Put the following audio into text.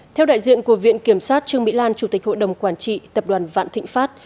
theo đại diện của viện kiểm sát trương mỹ lan chủ tịch hội đồng quản trị tập đoàn vạn thịnh pháp